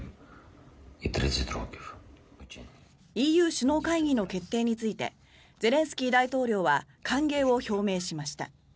ＥＵ首脳会議の決定についてゼレンスキー大統領は歓迎を表明しました。